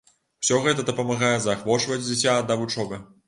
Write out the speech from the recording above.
Усё гэта дапамагае заахвочваць дзіця да вучобы.